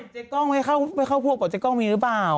เจ๊กล้องไม่เข้าพวกบอกเจ๊กล้องมีหรือเปล่า